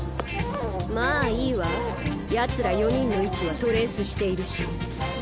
まぁいいわヤツら４人の位置はトレースしているし。